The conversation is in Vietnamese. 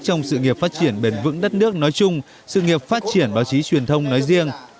trong sự nghiệp phát triển bền vững đất nước nói chung sự nghiệp phát triển báo chí truyền thông nói riêng